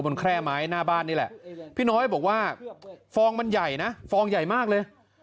แคร่ไม้หน้าบ้านนี่แหละพี่น้อยบอกว่าฟองมันใหญ่นะฟองใหญ่มากเลย